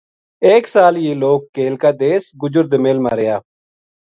ایک سال یہ لوک کیل کا دیس گُجر دومیل ما رہیا